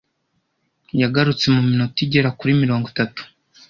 Yagarutse mu minota igera kuri mirongo itatu.